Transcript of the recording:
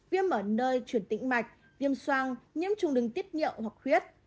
viêm ở nơi chuyển tĩnh mạch viêm soang nhiễm trùng đứng tiết nhậu hoặc khuyết